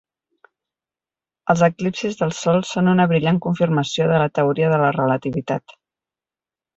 Els eclipsis del sol són una brillant confirmació de la teoria de la relativitat.